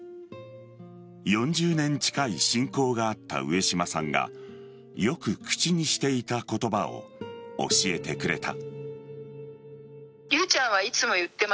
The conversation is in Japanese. ４０年近い親交があった上島さんがよく口にしていた言葉を教えてくれた。